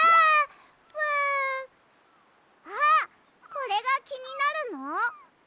あっこれがきになるの？